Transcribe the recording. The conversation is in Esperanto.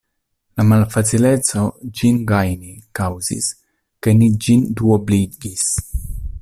La malfacileco ĝin gajni kaŭzis, ke ni ĝin duobligis.